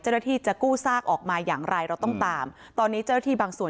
เจ้าหน้าที่จะกู้ซากออกมาอย่างไรเราต้องตามตอนนี้เจ้าหน้าที่บางส่วน